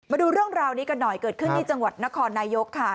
มาดูเรื่องราวนี้กันหน่อยเกิดขึ้นที่จังหวัดนครนายกค่ะ